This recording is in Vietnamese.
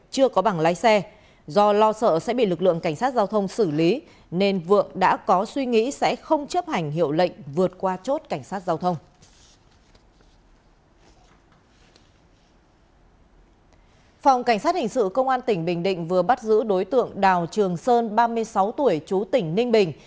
phòng cảnh sát hình sự công an tỉnh bình định vừa bắt giữ đối tượng đào trường sơn ba mươi sáu tuổi chú tỉnh ninh bình